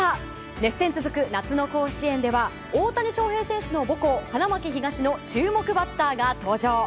熱戦続く夏の甲子園では大谷翔平選手の母校花巻東の注目バッターが登場。